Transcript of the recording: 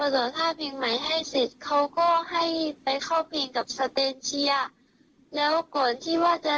เดี๋ยวถ้าเพลงใหม่ให้เสร็จเขาก็ให้ไปเข้าเพลงกับสเตนเชียแล้วก่อนที่ว่าจะ